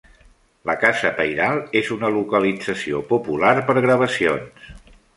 La casa pairal és una localització popular per gravacions.